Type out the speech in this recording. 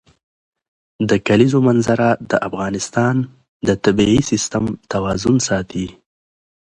د کلیزو منظره د افغانستان د طبعي سیسټم توازن ساتي.